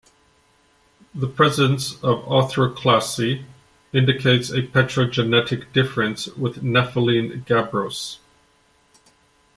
The presence of orthoclase indicates a petrogenetic difference with nepheline gabbros.